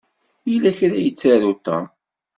Yella kra i yettaru Tom.